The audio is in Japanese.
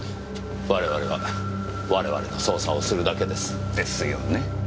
我々は我々の捜査をするだけです。ですよね。